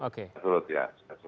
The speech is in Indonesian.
sudah surut ya